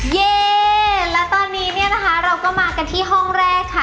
เย่แล้วตอนนี้เนี่ยนะคะเราก็มากันที่ห้องแรกค่ะ